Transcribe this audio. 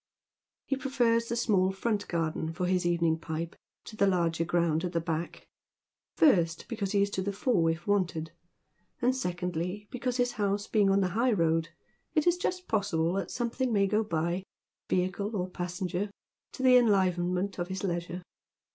He prefers the small front garden for his evening pipe to the larger ground at the back, — first, because he is to the fore if wanted ; and secondly, because, his house being on the high road, it is just possible that something may go by, veliicle or passenger, to the enlivenment of his leisure.